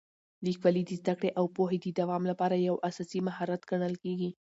لیکوالی د زده کړې او پوهې د دوام لپاره یو اساسي مهارت ګڼل کېږي.